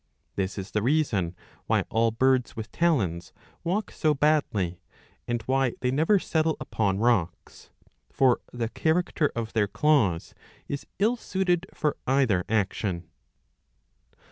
This is the reason why all birds with talons walk so badly, and why 694 a. IV. 12. 133 they never settle upon rocks.^''' For the character of their claws is ill suited for either action.